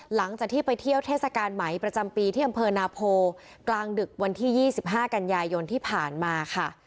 หลังจากที่ไปเที่ยวเทศกาลไหมประจำปีที่อำเภอนาโพกลางดึกวันที่๒๕กันยายนที่ผ่านมาค่ะ